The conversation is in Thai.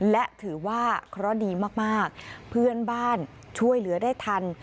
และถือว่าเคราะห์ดีมากเพื่อนบ้านช่วยเหลือได้ทัน